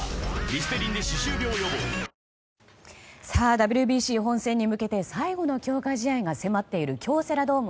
ＷＢＣ本戦に向けて最後の強化試合が迫っている京セラドーム